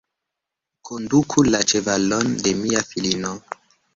Konduku la ĉevalon de mia filino.